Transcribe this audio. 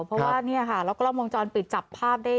เพราะว่าเนี่ยค่ะแล้วก็ล่องวงจรปิดจับภาพได้